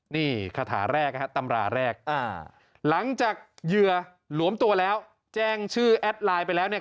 นี่คาถาแรกนะครับตำราแรกหลังจากเหยื่อหลวมตัวแล้วแจ้งชื่อแอดไลน์ไปแล้วเนี่ย